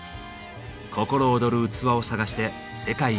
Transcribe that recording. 心躍る器を探して世界一周。